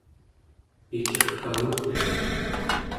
picirkangutet